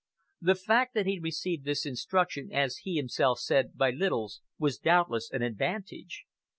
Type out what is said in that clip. The fact that he received this instruction, as he himself said, "by littles," was doubtless an advantage.